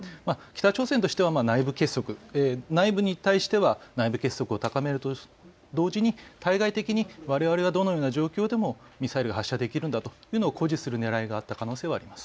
北朝鮮としては内部結束、内部に対しては内部結束を高めると同時に対外的にわれわれがどのような状況でもミサイルを発射できるんだということを誇示するねらいがあった可能性があります。